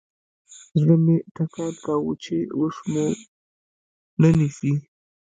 زړه مې ټکان کاوه چې اوس ومو نه نيسي.